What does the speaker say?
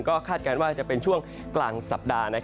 ก็คาดการณ์ว่าจะเป็นช่วงกลางสัปดาห์